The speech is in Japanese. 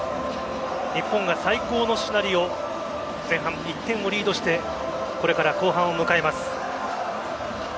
日本が最高のシナリオ前半１点をリードしてこれから後半を迎えます。